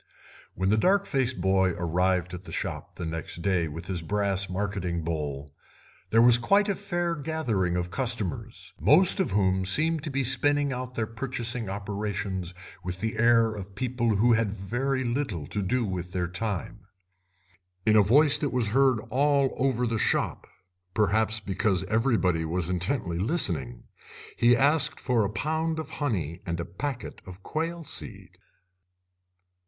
When the dark faced boy arrived at the shop next day with his brass marketing bowl there was quite a fair gathering of customers, most of whom seemed to be spinning out their purchasing operations with the air of people who had very little to do with their time. In a voice that was heard all over the shop, perhaps because everybody was intently listening, he asked for a pound of honey and a packet of quail seed.